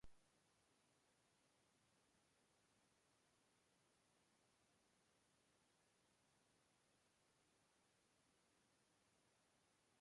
E a imaginação dela, como as cegonhas que um ilustre viajante viu